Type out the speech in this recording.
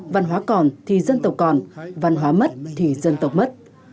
văn hóa còn thì dân tộc còn văn hóa mất thì dân tộc mất